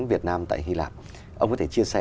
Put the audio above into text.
việt nam tại hy lạp ông có thể chia sẻ